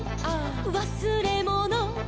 「わすれもの」「」